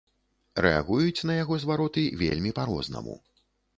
Рэагуюць на яго звароты вельмі па-рознаму.